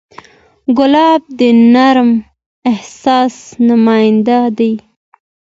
ګلاب د نرم احساس نماینده دی.